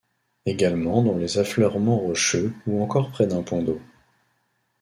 Également dans les affleurements rocheux ou encore près d'un point d'eau.